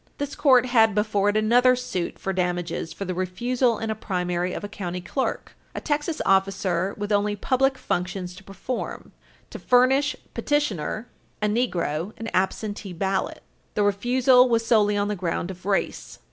45, this Court had before it another suit for damages for the refusal in a primary of a county clerk, a Texas officer with only public functions to perform, to furnish petitioner, a Negro, an absentee ballot. The refusal was solely on the ground of race.